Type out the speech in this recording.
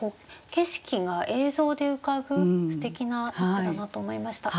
景色が映像で浮かぶすてきな一句だなと思いました。